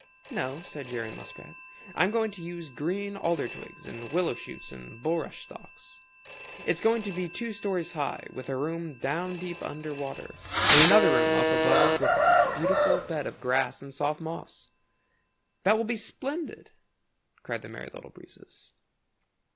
"No," said Jerry Muskrat, "I'm going to use green alder twigs and willow shoots and bulrush stalks. It's going to be two stories high, with a room down deep under water and another room up above with a beautiful bed of grass and soft moss." "That will be splendid!" cried the Merry Little Breezes.